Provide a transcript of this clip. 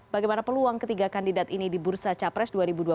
bagaimana peluang ketiga kandidat ini di bursa capres dua ribu dua puluh